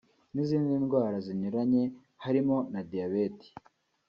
n’izindi ndwara zinyuranye harimo na diyabeti